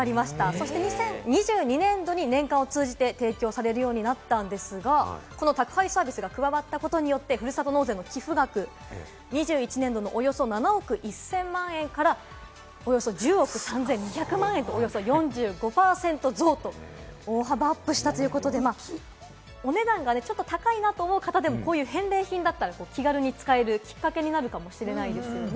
そして２０２２年度に年間を通じて提供されるようになったんですが、宅配サービスが加わったことによって、ふるさと納税の寄付額、２１年度およそ７億１０００万円からおよそ１０億３２００万円と、およそ４５％増と大幅アップしたということで、お値段がちょっと高いなと思う方でも返礼品だったら気軽に使えるきっかけになるかもしれませんよね。